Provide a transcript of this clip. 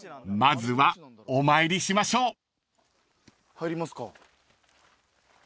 入りますか。